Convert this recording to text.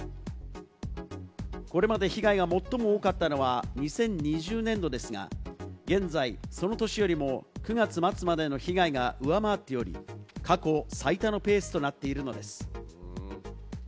これまで被害が最も多かったのは２０２０年度ですが、現在その年よりも９月末までの被害が上回っており、過去最多のペースとなっているのです。